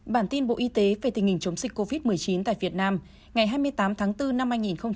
bản tin bộ y tế về tình hình chống dịch covid một mươi chín tại việt nam ngày hai mươi tám tháng bốn năm hai nghìn hai mươi